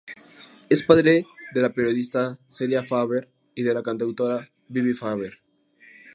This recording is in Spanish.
Es padre de la periodista Celia Farber y de la cantautora Bibi Farber.